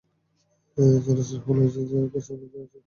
জানোস রাহুল, ওই যে আমাদের সার্মা জি আছে না?